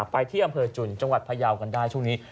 ไปที่อำเภอจุนจังหวัดพยาวกันได้ช่วงนี้